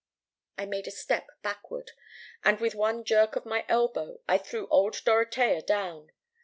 I made a step backward, and with one jerk of my elbow I threw old Dorotea down.